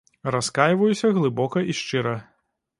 Раскайваюся глыбока і шчыра.